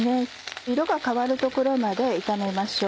色が変わるところまで炒めましょう。